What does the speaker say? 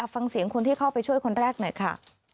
ฟังเสียงคนที่เข้าไปช่วยคนแรกหน่อยค่ะ